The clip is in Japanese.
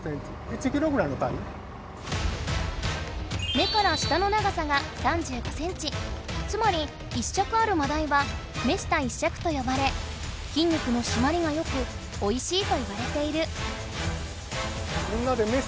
目から下の長さが３５センチつまり１尺あるマダイは目下一尺とよばれ筋肉のしまりがよくおいしいといわれている。